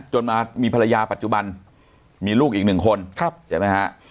จนมามีภรรยาปัจจุบันมีลูกอีกหนึ่งคนใช่ไหมฮะ